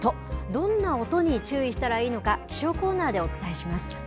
どんな音に注意したらいいのか、気象コーナーでお伝えします。